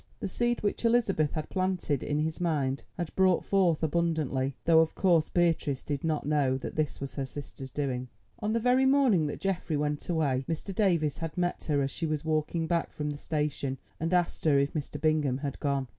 The seed which Elizabeth had planted in his mind had brought forth abundantly, though of course Beatrice did not know that this was her sister's doing. On the very morning that Geoffrey went away Mr. Davies had met her as she was walking back from the station and asked her if Mr. Bingham had gone.